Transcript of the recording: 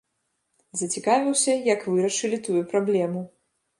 Зацікавіўся, як вырашылі тую праблему.